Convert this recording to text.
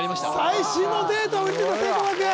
最新のデータを見てた聖光学院！